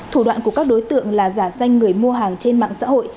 thủ đoạn của các đối tượng là giả danh người mua hàng trên mạng xã hội